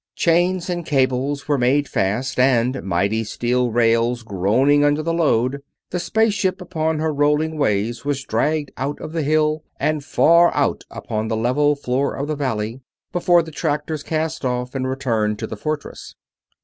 Chains and cables were made fast and, mighty steel rails groaning under the load, the space ship upon her rolling ways was dragged out of the Hill and far out upon the level floor of the valley before the tractors cast off and returned to the fortress.